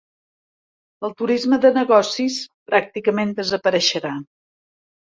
El turisme de negocis pràcticament desapareixerà.